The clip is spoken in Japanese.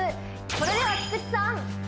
それでは菊地さん